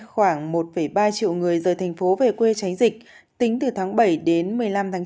khoảng một ba triệu người rời thành phố về quê tránh dịch tính từ tháng bảy đến một mươi năm tháng chín